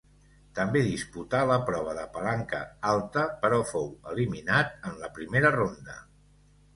També disputà la prova de palanca alta, però fou eliminat en la primera ronda.